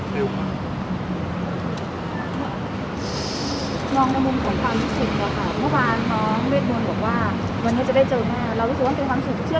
เมื่อน้องไม่เคลือน้องบอกว่าวันนี้จะไป